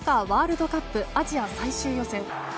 ワールドカップアジア最終予選。